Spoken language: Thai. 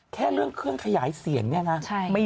แค่เรื่องเครื่องขยายเสียงเนี่ยนะ